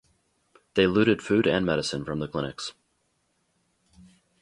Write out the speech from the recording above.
They looted food and medicine from the clinics.